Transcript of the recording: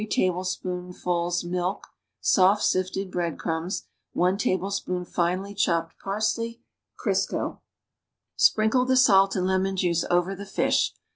tablespoonfuls milk green pepper soft sifted bread crumbs 1 tablespoonful fine chopped parsley, Crisco Sprinkle the salt and lemon juice over the fish.